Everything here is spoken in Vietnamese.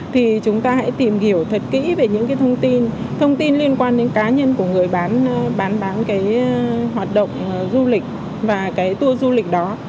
thì chúng ta hãy tìm hiểu thật kỹ về những thông tin liên quan đến cá nhân của người bán hoạt động du lịch và tour du lịch đó